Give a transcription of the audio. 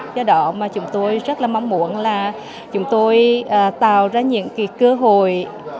do đó mà chúng tôi rất là mong muốn là chúng tôi tạo ra những cơ hội